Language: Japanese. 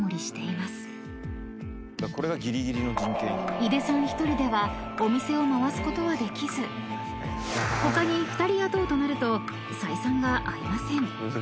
［井手さん１人ではお店を回すことはできず他に２人雇うとなると］